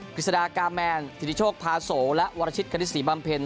ฤษฎากาแมนธิติโชคพาโสและวรชิตกณิตศรีบำเพ็ญ